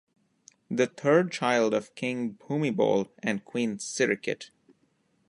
The third child of King Bhumibol and Queen Sirikit.